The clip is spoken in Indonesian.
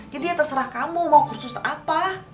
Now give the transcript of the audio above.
jadi ya terserah kamu mau kursus apa